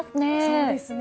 そうですね。